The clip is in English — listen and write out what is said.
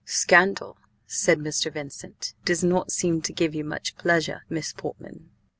"Scandal," said Mr. Vincent, "does not seem to give you much pleasure, Miss Portman.